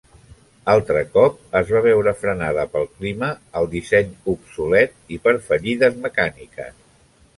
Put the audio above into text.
Altre cop, es va veure frenada pel clima, el disseny obsolet, i per fallides mecàniques.